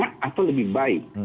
lebih buruk tadi atau sama lebih baik